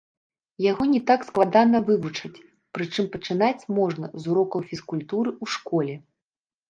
Яго не так складана вывучыць, прычым пачынаць можна з урокаў фізкультуры ў школе.